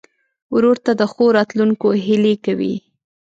ورور ته د ښو راتلونکو هیلې کوې.